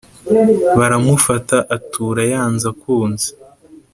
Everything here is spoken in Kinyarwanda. baramufata atura yanze akunze